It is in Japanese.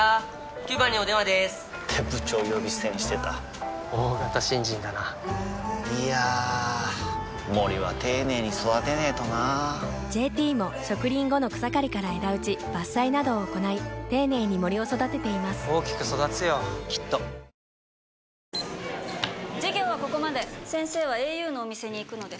９番にお電話でーす！って部長呼び捨てにしてた大型新人だないやー森は丁寧に育てないとな「ＪＴ」も植林後の草刈りから枝打ち伐採などを行い丁寧に森を育てています大きく育つよきっと日本で唯一開催となっています